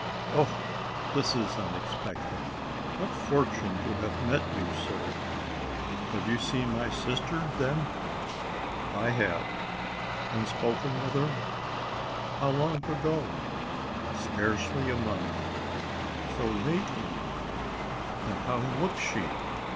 "Oh! this is unexpected what fortune to have met you, sir! You have seen my sister then?" "I have." "And spoken with her? How long ago?" "Scarcely a month." "So lately! And how looks she?